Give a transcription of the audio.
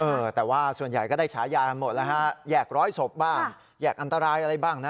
เออแต่ว่าส่วนใหญ่ก็ได้ฉายามาหมดแล้วฮะแยกร้อยศพบ้างแยกอันตรายอะไรบ้างนะ